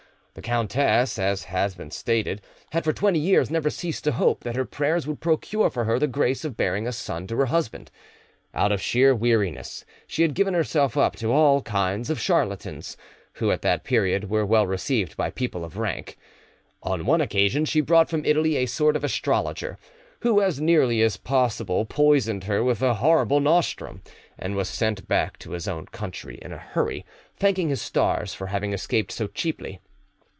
The countess, as has been stated, had for twenty years never ceased to hope that her prayers would procure for her the grace of bearing a son to her husband. Out of sheer weariness she had given herself up to all kinds of charlatans, who at that period were well received by people of rank. On one occasion she brought from Italy a sort of astrologer, who as nearly as possible poisoned her with a horrible nostrum, and was sent back to his own country in a hurry, thanking his stars for having escaped so cheaply.